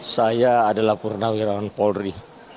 saya adalah purnawirawan polri